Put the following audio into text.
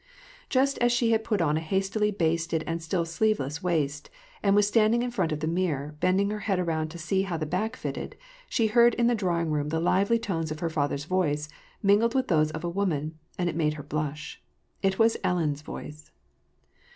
Just as she had put on a hastily basted and still sleeveless waist, and was standing in front of the mirror, bending her head around to see how the back fitted, she heard in the drawing room the lively tones of her father's voice, mingled with those of a woman, and it made her blush. It was Ellen's voice.